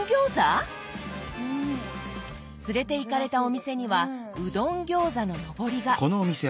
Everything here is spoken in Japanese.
連れていかれたお店には「うどんギョーザ」ののぼりが。